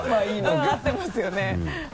合ってますよね。